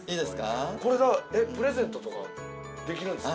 プレゼントとかできるんですか？